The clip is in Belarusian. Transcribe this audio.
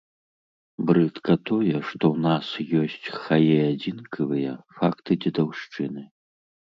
Брыдка тое, што ў нас ёсць, хай і адзінкавыя, факты дзедаўшчыны.